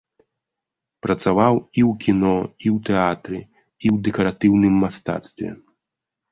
Працаваў і ў кіно і ў тэатры і ў дэкаратыўным мастацтве.